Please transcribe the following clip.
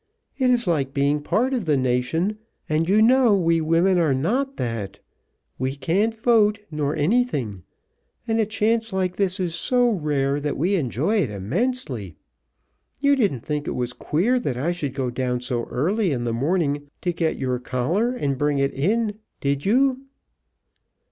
It is like being part of the nation, and you know we women are not that. We can't vote, nor anything, and a chance like this is so rare that we enjoy it immensely. You didn't think it was queer that I should go down so early in the morning to get your collar and bring it in, did you?"